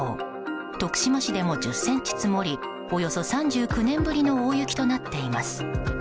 徳島市でも１０ｃｍ積もりおよそ３９年ぶりの大雪となっています。